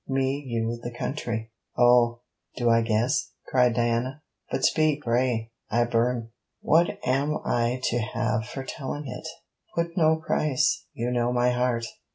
'Me, you, the country.' 'Oh! do I guess?' cried Diana. 'But speak, pray; I burn.' 'What am I to have for telling it?' 'Put no price. You know my heart.